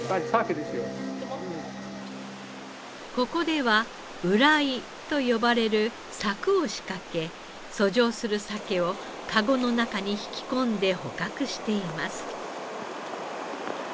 ここではウライと呼ばれる柵を仕掛け遡上するサケをカゴの中に引き込んで捕獲しています。